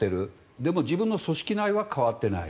でも自分の組織内は代わっていない。